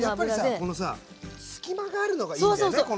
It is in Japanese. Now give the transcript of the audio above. このさ隙間があるのがいいんだよね。